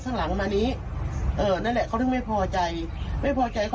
อยากกล้าบ้านมากอยากมาอยู่กับน้องเป็นเดือนนะลูก